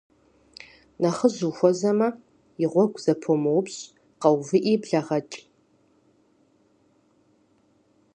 Нэхъыжь ухуэзэмэ, и гъуэгу зэпумыупщӏу, къэувыӏи блэгъэкӏ.